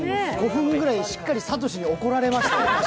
５分くらいしっかり慧に怒られました。